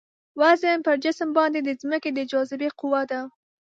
وزن پر جسم باندې د ځمکې د جاذبې قوه ده.